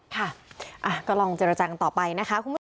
ค่ะก็ลองเจรจังต่อไปนะคะ